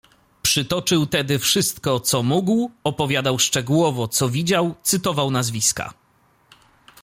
Przytoczył tedy wszystko, co mógł, opowiadał szczegółowo, co widział, cytował nazwiska.